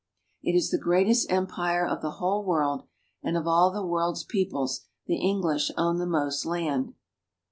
It is the greatest empire of the whole world, and of all the world's peoples the English own the most land.